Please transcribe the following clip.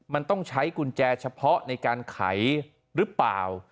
มันต้องใช้กุญแจเฉพาะในการไขหรือเปล่า